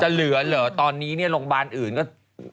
เหลือเหรอตอนนี้เนี่ยโรงพยาบาลอื่นก็